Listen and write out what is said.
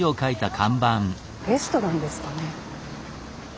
レストランですかね？